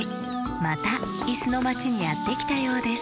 またいすのまちにやってきたようです